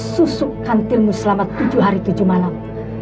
susukkan tilmu selama tujuh hari tujuh malam